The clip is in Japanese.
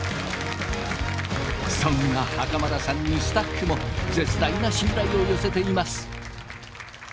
そんな袴田さんにスタッフも絶大な信頼を寄せています。